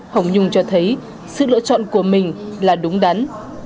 hồng nhung cho thấy sự lựa chọn của mình là đúng đắn